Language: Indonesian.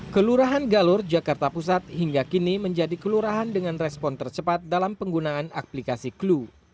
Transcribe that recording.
kelurahan galur jakarta pusat hingga kini menjadi kelurahan dengan respon tercepat dalam penggunaan aplikasi clue